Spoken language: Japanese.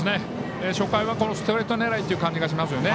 初回はストレート狙いという感じがしますよね。